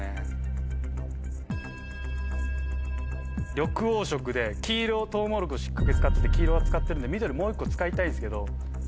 緑黄色で黄色をトウモロコシ黄色は使ってるんで緑もう１個使いたいんですけど。